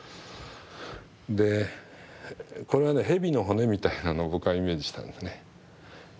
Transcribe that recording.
でこれはね蛇の骨みたいなのを僕はイメージしたんですね。